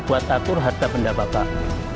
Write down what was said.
buat atur harga benda bapak